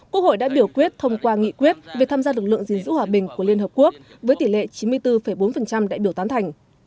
quốc hội đã biểu quyết thông qua nghị quyết về tham gia lực lượng gìn giữ hòa bình của liên hợp quốc với tỷ lệ chín mươi bốn bốn đại biểu tán thành